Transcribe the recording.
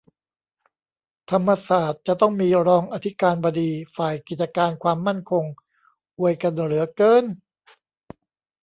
ธรรมศาสตร์จะต้องมี "รองอธิการบดีฝ่ายกิจการความมั่นคง" อวยกันเหลือเกิ๊น